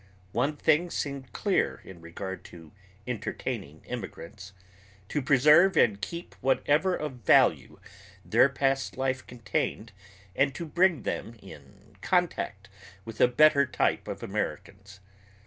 One thing seemed clear in regard to entertaining immigrants; to preserve and keep whatever of value their past life contained and to bring them in contact with a better type of Americans.